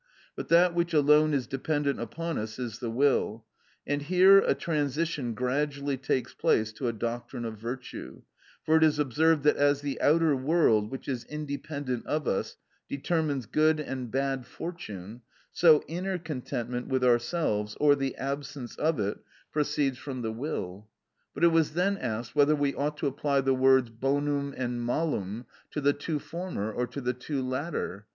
But that which alone is dependent upon us is the will; and here a transition gradually takes place to a doctrine of virtue, for it is observed that as the outer world, which is independent of us, determines good and bad fortune, so inner contentment with ourselves, or the absence of it, proceeds from the will. But it was then asked whether we ought to apply the words bonum and malum to the two former or to the two latter?